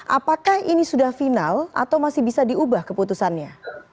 apakah ini sudah final atau masih bisa diubah keputusannya